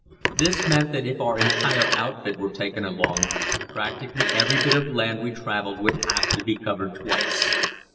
This meant that if our entire outfit were taken along, practically every bit of land we travelled would have to be covered twice.